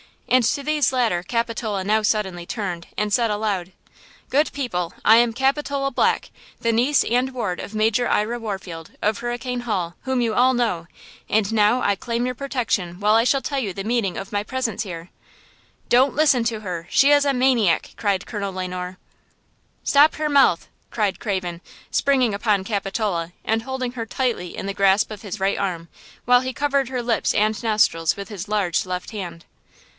And to these latter Capitola now suddenly turned and said aloud: "Good people, I am Capitola Black, the niece and ward of Major Ira Warfield, of Hurricane Hall, whom you all know, and now I claim your protection while I shall tell you the meaning of my presence here!" "Don't listen to her. She is a maniac!" cried Colonel Le Noir. "Stop her mouth!" cried Craven, springing upon Capitola and holding her tightly in the grasp of his right arm, while he covered her lips and nostrils with his large left hand.